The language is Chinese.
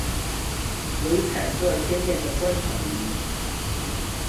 为色彩鲜艳的观赏鱼。